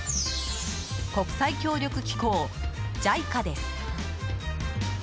国際協力機構・ＪＩＣＡです。